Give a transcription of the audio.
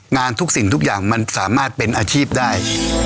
งานทุกสิ่งทุกอย่างมันสามารถเป็นอาชีพได้